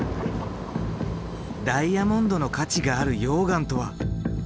ダイヤモンドの価値がある溶岩とは？